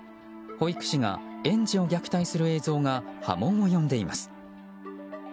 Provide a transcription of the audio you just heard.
保育士が園児を虐待する映像が波紋を呼んでいます。